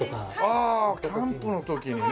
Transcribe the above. ああキャンプの時にね！